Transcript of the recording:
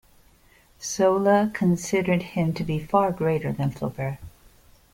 Zola considered him to be far greater than Flaubert.